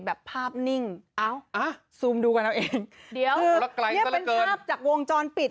คือนี้เป็นภาพจากวงจรปิด